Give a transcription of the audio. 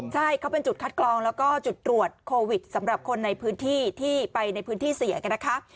ใช่เขาเป็นจุดคัดกรองแล้วก็จุดตรวจโควิดสำหรับคนในพื้นที่ที่ไปในพื้นที่เสี่ยงนะคะ